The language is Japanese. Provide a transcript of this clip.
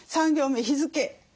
３行目日付。